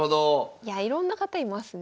いやあいろんな方いますね。